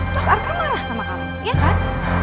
terus arka marah sama kamu ya kan